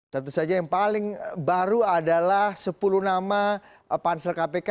tentu saja yang paling baru adalah sepuluh nama pansel kpk